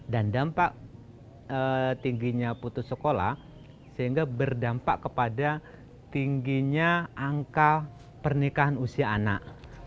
dan dampak tingginya putus sekolah sehingga berdampak kepada tingginya angka pernikahan usia anak